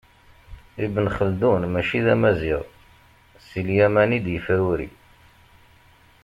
Ibn Xeldun mačči d amaziɣ, si Lyaman i d-yefruri.